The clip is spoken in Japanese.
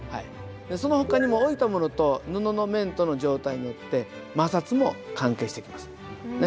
そのほかにも置いたモノと布の面との状態によって摩擦も関係してきます。